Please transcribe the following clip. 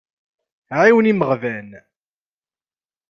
Ɛiwen imeɣban.